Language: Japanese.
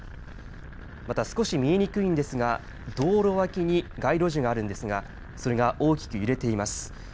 また、少し見えにくいんですが道路脇に街路樹があるんですがそれが大きく揺れています。